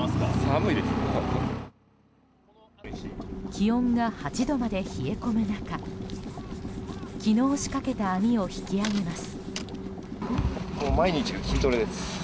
気温が８度まで冷え込む中昨日、仕掛けた網を引き揚げます。